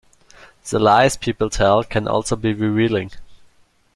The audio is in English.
The lies people tell can also be revealing.